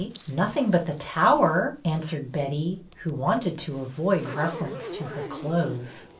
Nothing but the tower," an swered Betty who wanted to avoid reference to her clothes.